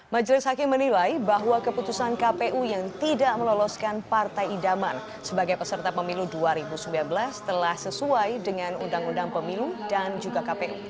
majelis hakim menilai bahwa keputusan kpu yang tidak meloloskan partai idaman sebagai peserta pemilu dua ribu sembilan belas telah sesuai dengan undang undang pemilu dan juga kpu